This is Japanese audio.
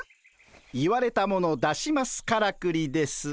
「言われたもの出しますからくり」です。